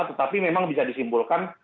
tetapi memang bisa disimpulkan